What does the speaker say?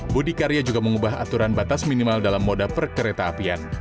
budi karya juga mengubah aturan batas minimal dalam moda perkereta apian